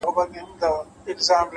هر منزل د جرئت غوښتنه کوي,